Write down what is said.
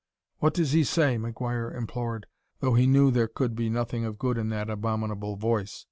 "What does he say?" McGuire implored, though he knew there could be nothing of good in that abominable voice.